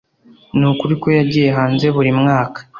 Nukuri ko yagiye hanze buri mwaka